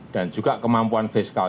dan juga kemampuan fiskal